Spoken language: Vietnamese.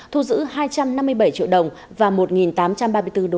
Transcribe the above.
thu giữ hai trăm năm mươi bảy triệu đồng và một tám trăm ba mươi bốn usd